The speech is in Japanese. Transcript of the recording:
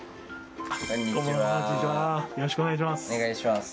よろしくお願いします。